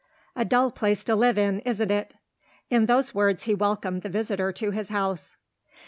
"A dull place to live in, isn't it?" In those words he welcomed the visitor to his house.